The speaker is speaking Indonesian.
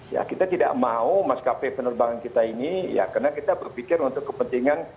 ya kita tidak mau maskapai penerbangan kita ini ya karena kita berpikir untuk kepentingan